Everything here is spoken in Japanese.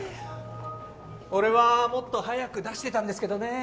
俺はもっと早く出してたんですけどねぇ。